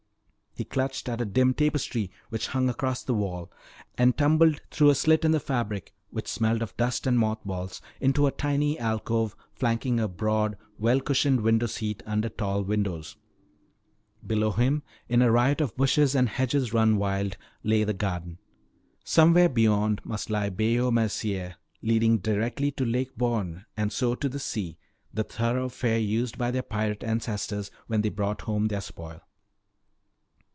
He clutched at a dim tapestry which hung across the wall and tumbled through a slit in the fabric which smelled of dust and moth balls into a tiny alcove flanking a broad, well cushioned window seat under tall windows. Below him in a riot of bushes and hedges run wild, lay the garden. Somewhere beyond must lie Bayou Mercier leading directly to Lake Borgne and so to the sea, the thoroughfare used by their pirate ancestors when they brought home their spoil.